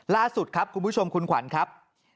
ล่าสุดครับคุณผู้ชมคุณขวัญครับ